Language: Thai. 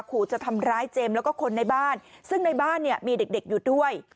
ขู่จะทำร้ายเจมส์แล้วก็คนในบ้านซึ่งในบ้านเนี่ยมีเด็กอยู่ด้วย